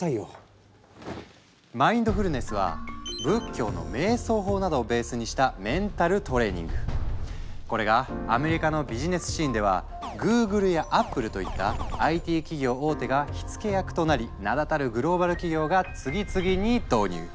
マインドフルネスはこれがアメリカのビジネスシーンではグーグルやアップルといったＩＴ企業大手が火付け役となり名だたるグローバル企業が次々に導入。